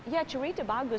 ya cerita bagus